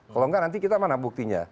kalau enggak nanti kita mana buktinya